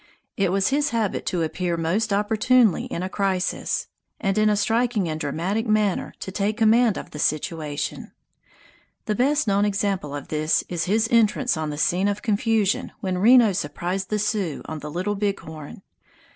It was his habit to appear most opportunely in a crisis, and in a striking and dramatic manner to take command of the situation. The best known example of this is his entrance on the scene of confusion when Reno surprised the Sioux on the Little Big Horn.